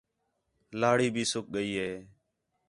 لَہڑی بھی سُک ڳئی ہِے